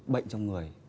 bệnh trong người